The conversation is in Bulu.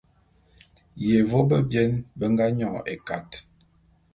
Yévô bebien be nga nyon ékat.